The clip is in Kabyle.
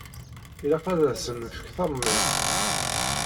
Ilaq ad asen-nefk talemmiẓt.